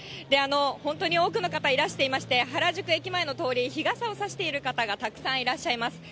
本当に多くの方いらしていまして、原宿駅前の通り、日傘を差してる方、たくさんいらっしゃいます。